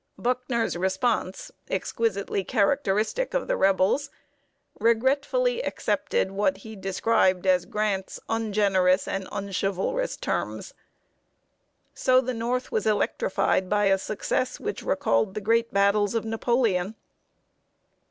Buckner's response, exquisitely characteristic of the Rebels, regretfully accepted what he described as Grant's "ungenerous and unchivalrous terms!" So the North was electrified by a success which recalled the great battles of Napoleon.